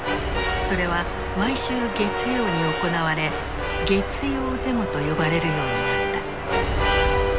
それは毎週月曜に行われ「月曜デモ」と呼ばれるようになった。